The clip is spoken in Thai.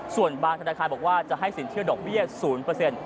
ส่วนบางธนาคารบอกว่าจะให้สินเชื่อดอกเบี้ย๐